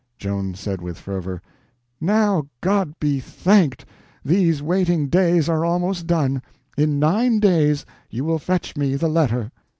Joan said with fervor: "Now God be thanked, these waiting days are almost done. In nine days you will fetch me the letter."